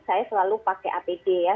saya selalu pakai apd ya